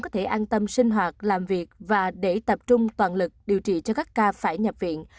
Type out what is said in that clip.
tăng tâm sinh hoạt làm việc và để tập trung toàn lực điều trị cho các ca phải nhập viện